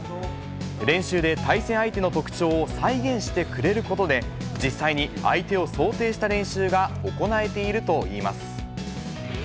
練習で対戦相手の特徴を再現してくれることで、実際に相手を想定した練習が行えているといいます。